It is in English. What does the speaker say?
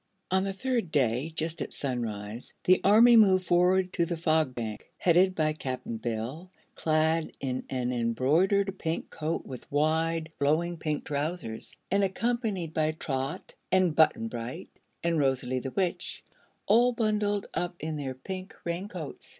On the third day, just at sunrise, the army moved forward to the Fog Bank, headed by Cap'n Bill, clad in an embroidered pink coat with wide, flowing pink trousers, and accompanied by Trot and Button Bright and Rosalie the Witch all bundled up in their pink raincoats.